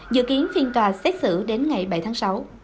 dự kiến phiên tòa xét xử đến ngày bảy tháng sáu